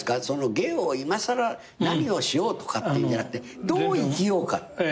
芸をいまさら何をしようとかじゃなくてどう生きようか。